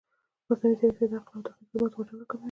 مصنوعي ځیرکتیا د عقل او تخنیک ترمنځ واټن راکموي.